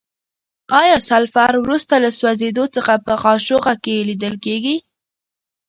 آیا سلفر وروسته له سوځیدو څخه په قاشوغه کې لیدل کیږي؟